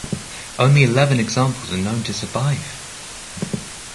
Only eleven examples are known to survive.